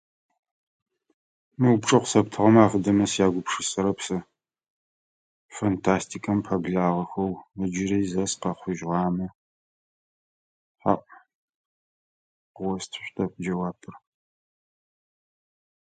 Мы упчӏэу къысэптыгъэмэ афэдэмэ сягупшысэрэп сэ, фантастикэм пэблагъэхэу ыджыри зэ сыкъэхъужьыгъаэмэ хьаӏу къыостышъутэп джэуапыр.